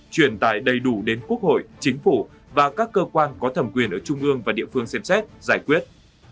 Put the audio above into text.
truyền tài đầy đủ đến quốc hội chính phủ và các cơ quan có thẩm quyền ở trung ương và địa phương xem xét giải quyết